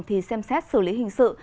thì xem xét xử lý hình sự